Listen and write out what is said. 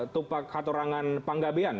tupak hatorangan panggabian